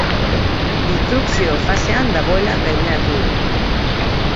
Instrukzio fasean dagoela gaineratu du.